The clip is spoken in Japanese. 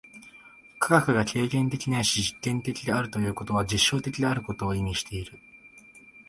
科学が経験的ないし実験的であるということは、実証的であることを意味している。